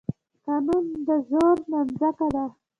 قانون د زور نانځکه ده.